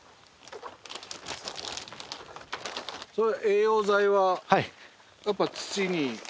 その栄養剤はやっぱり土に。